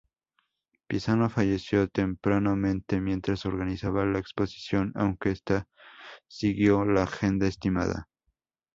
Pizano falleció tempranamente mientras organizaba la exposición, aunque esta siguió la agenda estimada.